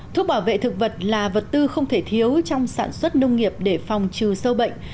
thuốc bảo vệ thực vật là vật tư không thể thiếu trong sản xuất nông nghiệp để phòng trừ sâu bệnh